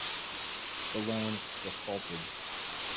The loan defaulted.